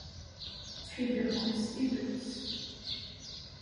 Ttḥibbiɣ-ken s tidet.